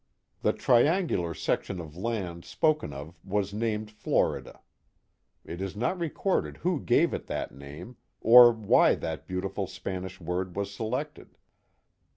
The triangular section of land spoken of was named Florida. It is not recorded who gave it that name, or why that beauti ful Spanish word was selected.